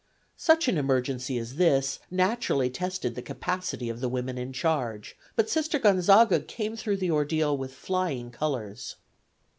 Such an emergency as this naturally tested the capacity of the women in charge, but Sister Gonzaga came through the ordeal with flying colors.